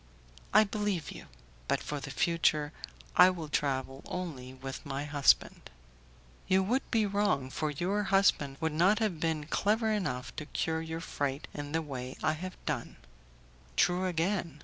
"I believe you; but for the future I will travel only with my husband." "You would be wrong, for your husband would not have been clever enough to cure your fright in the way I have done." "True, again.